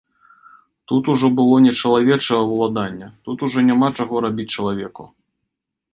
Тут ужо было не чалавечае ўладанне, тут ужо няма чаго рабіць чалавеку.